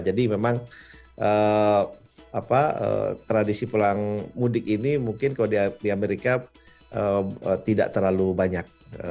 jadi memang tradisi pulang mudik ini mungkin kalau di amerika tidak terlalu banyak